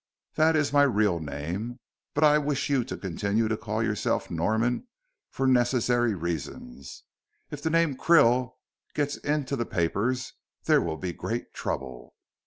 That is my real name, but I wish you to continue to call yourself Norman for necessary reasons. If the name of Krill gets into the papers there will be great trouble.